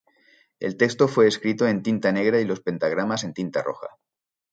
El texto fue escrito en tinta negra y los pentagramas en tinta roja.